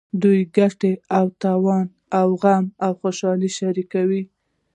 د دوی ګټه او تاوان غم او خوشحالي شریک وي.